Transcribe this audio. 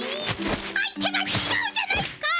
相手がちがうじゃないスか！